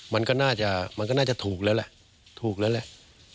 มันก็น่าจะถูกแล้วแหละ